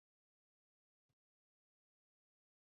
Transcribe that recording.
যে সুখে ছিলি সে আর আমার বুঝিতে বাকি নাই।